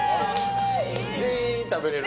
全員、食べれる？